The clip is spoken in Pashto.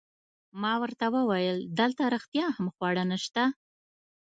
ما ورته وویل: دلته رښتیا هم خواړه نشته؟